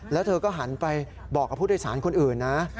แล้วเธอก็หันไปบอกกับผู้โดยสารคนอื่นนะ